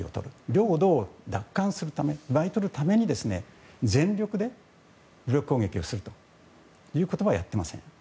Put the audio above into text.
領土を奪還するため、奪うために全力で武力攻撃をするということはやっていません。